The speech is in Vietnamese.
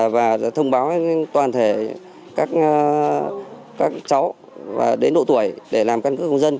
và thông báo toàn thể các cháu đến độ tuổi để làm căn cứ công dân